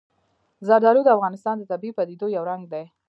زردالو د افغانستان د طبیعي پدیدو یو رنګ دی.